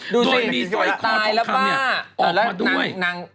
โดยมีสร้อยคอทองคำเนี่ยออกมาด้วย